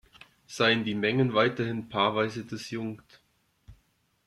Seien die Mengen weiterhin paarweise disjunkt.